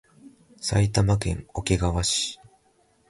埼玉県桶川市